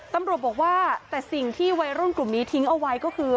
ตำรวจบอกว่าแต่สิ่งที่วัยรุ่นกลุ่มนี้ทิ้งเอาไว้ก็คือ